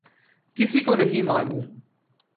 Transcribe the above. کسی کو نہیں معلوم۔